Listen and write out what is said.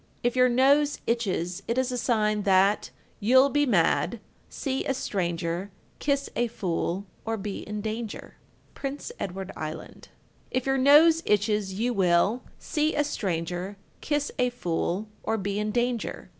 1358. If your nose itches, it is a sign that You'll be mad, See a stranger, Kiss a fool, Or be in danger. Prince Edward Island. 1359. If your nose itches, you will See a stranger, Kiss a fool, Or be in danger.